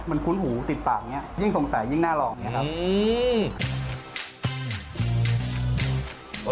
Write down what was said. มันคุ้นหูติดปากเนี่ยยิ่งสงสัยยิ่งน่ารองนะครับ